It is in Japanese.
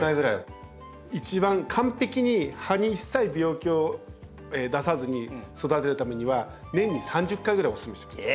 一番完璧に葉に一切病気を出さずに育てるためには年に３０回ぐらいをおすすめします。